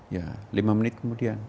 ya lima menit kemudian